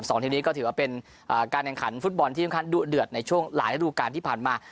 ส่วนที่นี้ก็ถือว่าเป็นการแข่งขันฟุตบอลที่สำคัญดวกเดือดในช่วงหลายรูปการณ์ที่ผ่านมา